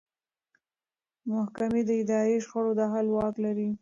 محکمې د اداري شخړو د حل واک لري.